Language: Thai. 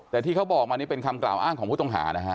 แต่ที่เขาบอกมานี่เป็นคำกล่าวอ้างของผู้ต้องหานะฮะ